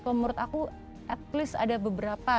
kalau menurut aku at least ada beberapa